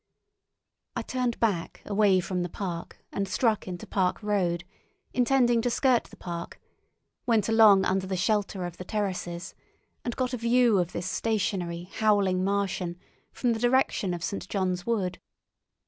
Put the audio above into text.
I turned back away from the park and struck into Park Road, intending to skirt the park, went along under the shelter of the terraces, and got a view of this stationary, howling Martian from the direction of St. John's Wood.